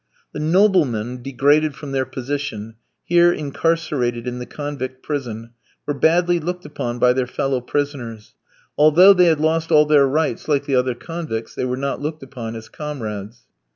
The noblemen degraded from their position, here incarcerated in the convict prison, were badly looked upon by their fellow prisoners; although they had lost all their rights like the other convicts, they were not looked upon as comrades.